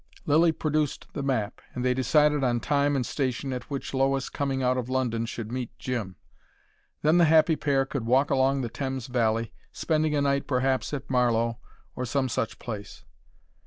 Lilly produced the map, and they decided on time and station at which Lois coming out of London, should meet Jim. Then the happy pair could walk along the Thames valley, spending a night perhaps at Marlowe, or some such place.